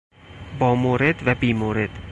با مورد و بی مورد